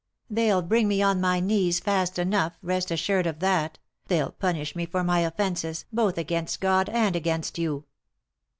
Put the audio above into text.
" They'll bring me on my knees fast enough, rest assured of that ; they'll punish me for my offences, both against God and against you."